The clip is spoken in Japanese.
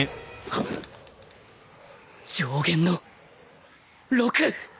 上弦の陸！